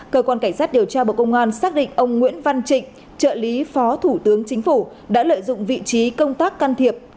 cơ quan cảnh sát điều tra bộ công an xác định ông nguyễn văn trịnh trợ lý phó thủ tướng chính phủ đã lợi dụng vị trí công tác can thiệp